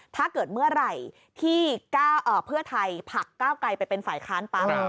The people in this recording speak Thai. ถ้าเกิดเมื่อไหร่ที่เพื่อไทยผลักก้าวไกลไปเป็นฝ่ายค้านปั๊บ